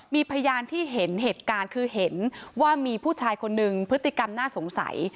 มีพยานที่เห็นเหตุการณ์คือเห็นว่ามีผู้ชายคนนึงพฤติกรรมน่าสงสัย